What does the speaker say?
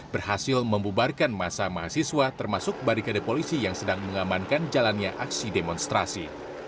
berhasil membubarkan masa mahasiswa termasuk barikade polisi yang sedang mengamankan jalannya aksi demonstrasi